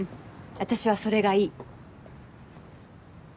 私はそれがいい。